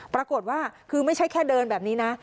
ปรากฏว่าคือไม่ใช่แค่เดินแบบนี้นะ